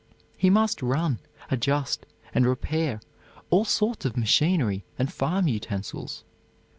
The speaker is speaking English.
He must run, adjust and repair all sorts of machinery and farm utensils.